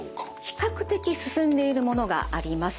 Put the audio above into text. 比較的進んでいるものがあります。